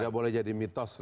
tidak boleh jadi mitos